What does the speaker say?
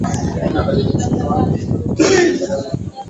mwaka elfu mbili kumi na tatu baada ya kuvunjika kwa